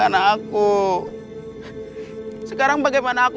aku akan lupakan evaluasimu